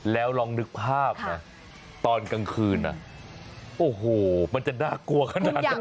แล้วลองนึกภาพนะตอนกลางคืนโอ้โหมันจะน่ากลัวขนาดนั้น